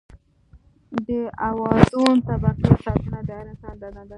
د اوزون طبقې ساتنه د هر انسان دنده ده.